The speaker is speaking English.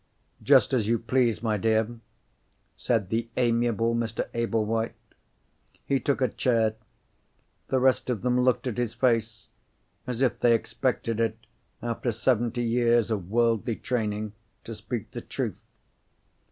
"Just as you please, my dear," said the amiable Mr. Ablewhite. He took a chair. The rest of them looked at his face—as if they expected it, after seventy years of worldly training, to speak the truth.